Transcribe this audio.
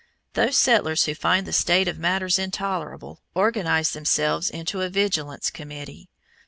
Those settlers who find the state of matters intolerable, organize themselves into a Vigilance Committee.